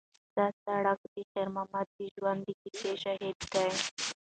دا سړک د خیر محمد د ژوند د کیسې شاهد دی.